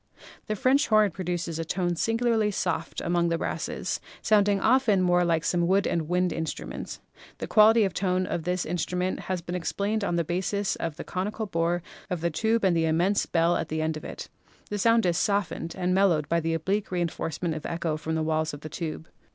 The French horn produces a tone singularly soft among the brasses, sounding often more like some wood wind instrument. The quality of tone of this instrument has been explained on the basis of the conical bore of the tube and the immense bell at the end of it. The sound is soft ened and mellowed by the oblique reinforcement of echo from the walls of the tube.